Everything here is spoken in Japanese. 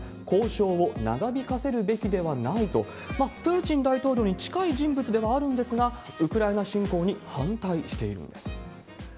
交渉を長引かせるべきではないと、プーチン大統領に近い人物ではあるんですが、ウクライナ侵攻に反対しているんです。